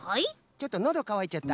ちょっとのどかわいちゃった。